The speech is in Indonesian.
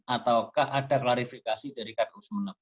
ataukah ada klarifikasi dari kpu sumeneb